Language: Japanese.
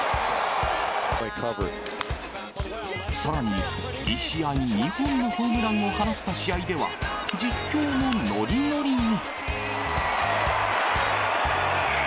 さらに、１試合に２本のホームランを放った試合では、実況もノリノリに。